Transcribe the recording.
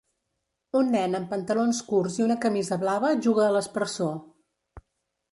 Un nen amb pantalons curts i una camisa blava juga a l'aspersor.